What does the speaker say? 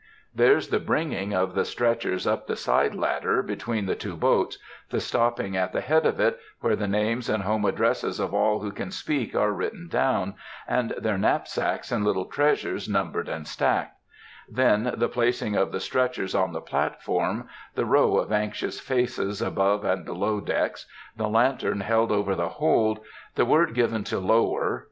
There's the bringing of the stretchers up the side ladder between the two boats, the stopping at the head of it, where the names and home addresses of all who can speak are written down, and their knapsacks and little treasures numbered and stacked;—then the placing of the stretchers on the platform, the row of anxious faces above and below decks, the lantern held over the hold, the word given to "Lower!"